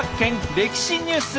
歴史ニュース！